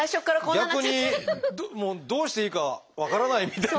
逆にどうしていいか分からないみたいな。